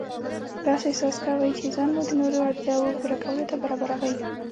داسې احساس کوئ چې ځان مو د نورو اړتیاوو پوره کولو ته برابروئ.